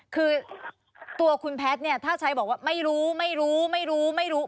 คือตัวคุณแพทย์เนี่ยถ้าใช้บอกว่าไม่รู้ไม่รู้ไม่รู้